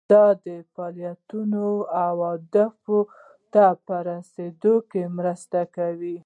دا فعالیتونه اهدافو ته په رسیدو کې مرسته کوي.